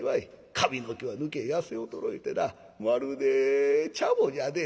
髪の毛は抜け痩せ衰えてなまるでチャボじゃで。